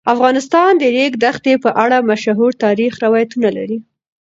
افغانستان د د ریګ دښتې په اړه مشهور تاریخی روایتونه لري.